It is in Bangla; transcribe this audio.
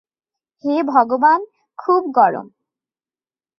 হে ভগবান, খুব গরম।